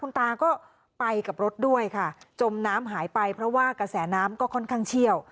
ตาก็ไปกับรถด้วยค่ะจมน้ำหายไปเพราะว่ากระแสน้ำก็ค่อนข้างเชี่ยว